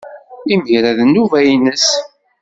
Imir-a, d nnuba-nnes.